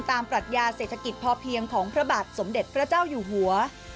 ปรัชญาเศรษฐกิจพอเพียงของพระบาทสมเด็จพระเจ้าอยู่หัว